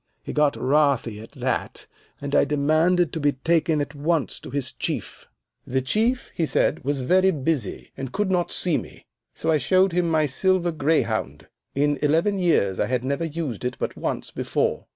He got wrathy at that, and I demanded to be taken at once to his Chief. The Chief, he said, was very busy, and could not see me. So I showed him my silver greyhound. In eleven years I had never used it but once before.